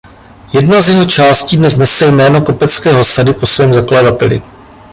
Jedna z jejich částí dnes nese jméno "Kopeckého sady" po svém zakladateli.